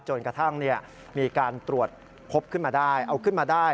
จนกระทั่งมีการตรวจพบขึ้นมาได้เอาขึ้นมาได้